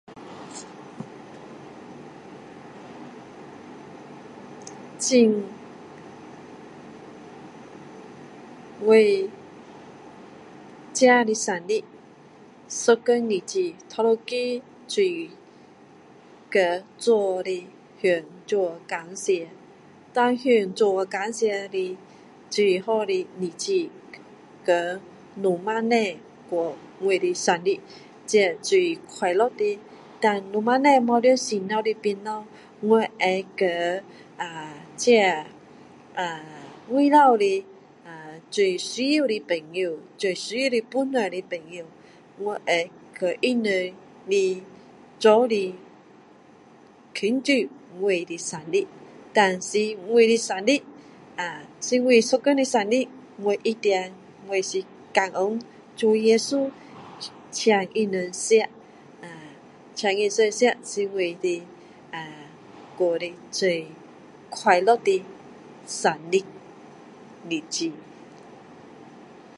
真 我自己的生日，一天日子，第一个最与主的，就向主的感谢，但愿主感谢的最好的日子，和父母亲过我的生日，这最快乐的。但父母亲没在身旁的旁边，我要将这[ahh]外面的[ahh]最需要的朋友，最需要帮助的朋友。我会叫他们来，一起庆祝我的生日，但是我的生日[ahh]是我一天的生日，我一定我是感恩主耶稣。请他们吃，[ahh]请他们吃是我的，过的[ahh]最快乐的生日，日子